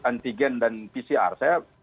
antigen dan pcr saya